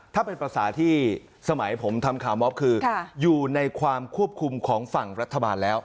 ถ้าเป็นภาษาที่สมัยผมทำข่าวมอบคืออยู่ในความควบคุมของฝั่งรัฐบาลแล้ว